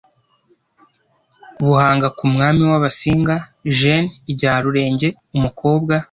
buhanga ku mwami w abasinga jeni rya rurenge umukobwa